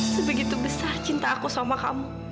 sebegitu besar cinta aku sama kamu